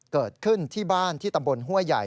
เกิดขึ้นที่บ้านที่ตำบลห้วยใหญ่